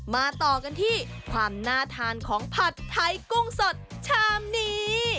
มาต่อกันที่ความน่าทานของผัดไทยกุ้งสดชามนี้